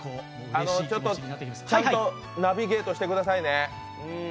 ちゃんとナビゲートしてくださいね。